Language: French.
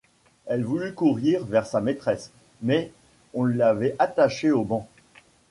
Elle voulut courir vers sa maîtresse, mais on l’avait attachée au banc.